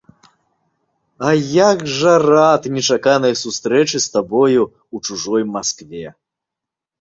А як жа рад нечаканай сустрэчы з табою ў чужой Маскве!